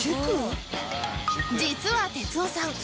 実は哲夫さん